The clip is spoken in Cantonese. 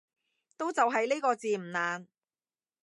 都就係呢個字唔難